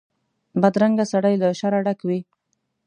بدرنګه سړی له شره ډک وي